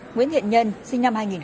nguyễn hiện nhân sinh năm hai nghìn tám